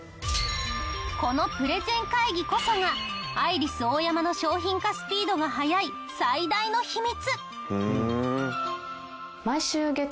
このプレゼン会議こそがアイリスオーヤマの商品化スピードが速い最大の秘密。